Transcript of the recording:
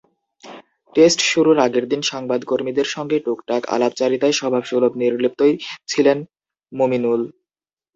Test শুরুর আগের দিন সংবাদকর্মীদের সঙ্গে টুকটাক আলাপচারিতায় স্বভাবসুলভ নির্লিপ্তই ছিলেন মুমিনুল।